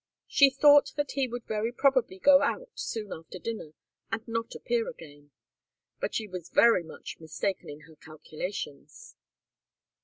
She thought that he would very probably go out soon after dinner and not appear again. But she was very much mistaken in her calculations.